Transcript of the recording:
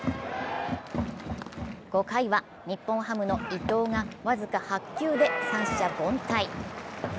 ５回は日本ハムの伊藤が僅か８球で三者凡退。